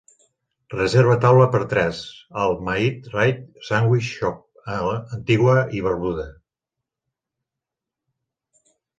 Reserva taula per tres al Maid-Rite Sandwich Shop a Antigua i Barbuda